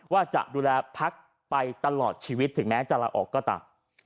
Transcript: ว่าจะดูแลพักไปตลอดชีวิตถึงแม้จะลาออกก็ตาม